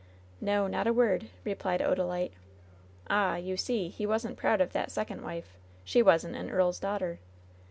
"No, not a word,'' replied Odalite. "Ahl you see, he wasn't proud of that second wife! She wasn't an earl's daughter